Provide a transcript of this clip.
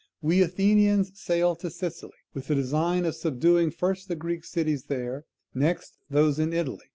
We Athenians sailed to Sicily with the design of subduing, first the Greek cities there, and next those in Italy.